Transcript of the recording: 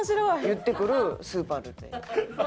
言ってくるスーパーの店員。